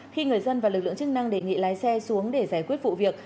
khi người dân và lực lượng chức năng đề nghị lái xe xuống để giải quyết vụ việc